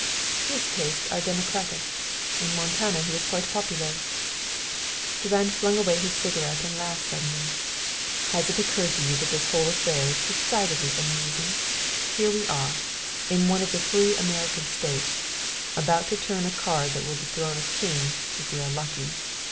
"His tastes are democratic. In Montana he is quite popular." Durand flung away his cigarette and laughed suddenly. "Has it occurred to you that this whole affair is decidedly amusing? Here we are, in one of the free American states, about to turn a card that will dethrone a king, if we are lucky.